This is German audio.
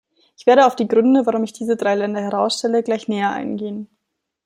Ich werde auf die Gründe, warum ich diese drei Länder herausstelle, gleich näher eingehen.